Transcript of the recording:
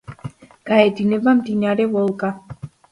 გაედინება მდინარე ვოლგა.